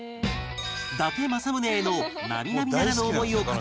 伊達政宗への並々ならぬ思いを語る